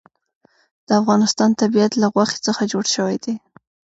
د افغانستان طبیعت له غوښې څخه جوړ شوی دی.